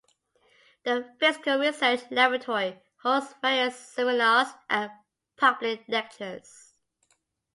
The Physical Research Laboratory holds various seminars and public lectures.